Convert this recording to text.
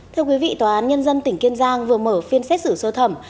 thưa quý vị tòa án nhân dân tỉnh kiên giang vừa mở phiên xét xử sơ thẩm